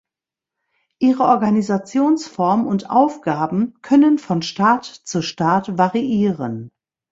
Ihre Organisationsform und Aufgaben können von Staat zu Staat variieren.